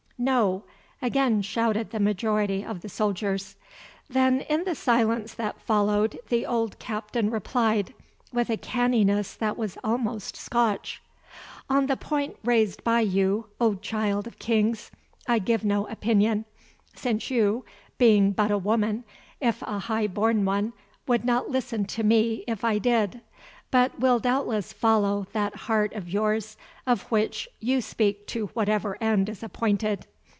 "No," again shouted the majority of the soldiers. Then in the silence that followed the old captain replied, with a canniness that was almost Scotch: "On the point raised by you, O Child of Kings, I give no opinion, since you, being but a woman, if a high born one, would not listen to me if I did, but will doubtless follow that heart of yours of which you speak to whatever end is appointed.